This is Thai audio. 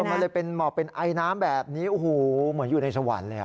มันเลยเป็นหมอกเป็นไอน้ำแบบนี้โอ้โหเหมือนอยู่ในสวรรค์เลย